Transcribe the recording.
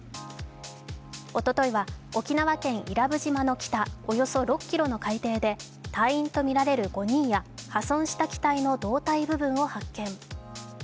おとといは沖縄県・伊良部島の北およそ６ｋｍの海底で隊員とみられる５人や破損した機体の胴体部分を発見。